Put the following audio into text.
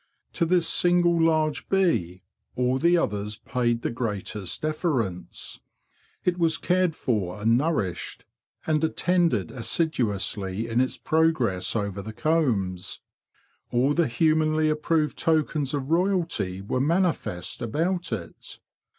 To this single large bee all the others paid the greatest deference. It was cared for and nourished, and attended assidu ously in its progress over the combs. All the humanly approved tokens of royalty were manifest about it.